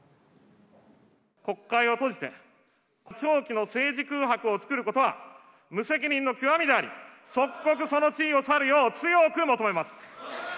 国会を閉じて、長期の政治空白を作ることは、無責任の極みであり、即刻その地位を去るよう強く求めます。